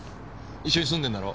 一緒に住んでるんだろ？